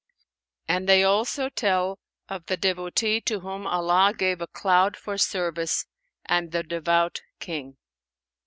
And they also tell of THE DEVOTEE TO WHOM ALLAH GAVE A CLOUD FOR SERVICE AND THE DEVOUT KING.